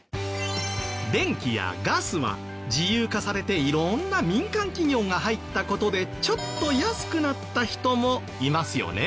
電気やガスは自由化されて色んな民間企業が入った事でちょっと安くなった人もいますよね。